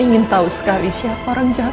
dan ingin tahu sekali siapa orang jahat